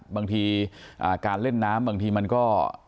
บางทีการเล่นน้ำบางทีมันก็